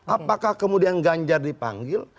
apakah kemudian ganjar dipanggil